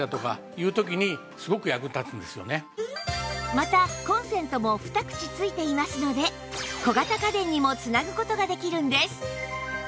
またコンセントも２口付いていますので小型家電にも繋ぐ事ができるんです